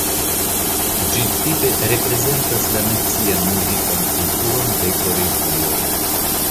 Ĝi tipe reprezentas la nacian muzikan kulturon de Koreio.